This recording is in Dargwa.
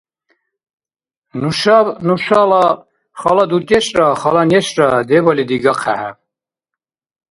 Нушаб нушала хала дудешра хала нешра дебали дигахъехӀе